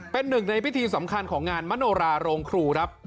เป็นหนึ่งในพิธีสำคัญของงานมโนราโรงครูครับ